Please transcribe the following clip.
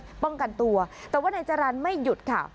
เพื่อป้องกันตัวแต่ว่านายจรรย์ไม่หยุดค่ะ